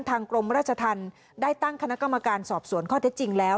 กรมราชธรรมได้ตั้งคณะกรรมการสอบสวนข้อเท็จจริงแล้ว